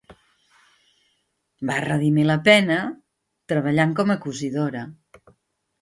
Va redimir la pena treballant com a cosidora.